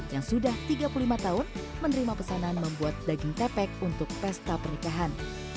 yang sudah tiga puluh lima tahun menerima pesanan membuat daging tepek untuk pesta pernikahan